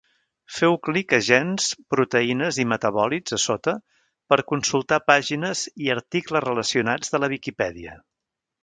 Feu clic a gens, proteïnes i metabòlits a sota per consultar pàgines i articles relacionats de la Viquipèdia.